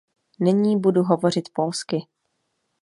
Nyní budu hovořit polsky.